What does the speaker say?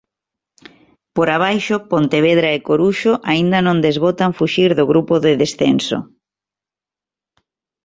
Por abaixo, Pontevedra e Coruxo aínda non desbotan fuxir do grupo de descenso.